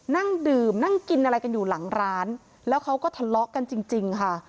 นั่งดื่มนั่งกินอะไรกันอยู่หลังร้านแล้วเขาก็ทะเลาะกันจริงค่ะ